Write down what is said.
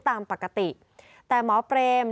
ตามปกติแต่หมอเปรม